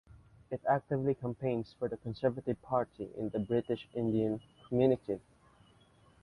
It actively campaigns for the Conservative Party in the British Indian community.